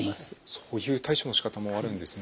そういう対処のしかたもあるんですね。